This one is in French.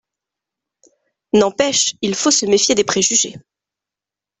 N’empêche, il faut se méfier des préjugés.